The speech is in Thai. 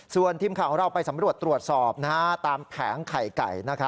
ส่วนทีมข่าวของเราไปสำรวจตรวจสอบตามแผงไข่ไก่